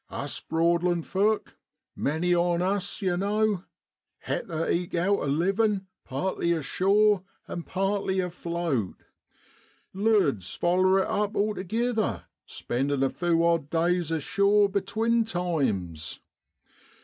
Us Broadland folk many on us, yer know, ha' tu eke out a livin' partly ashore an' partly afloat; loads (many) foller it up altogither, spendin' a few odd days ashore between times.